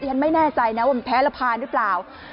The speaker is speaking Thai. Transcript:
ฉันไม่แน่ใจนะว่ามันแพ้ระพาหรือเปล่า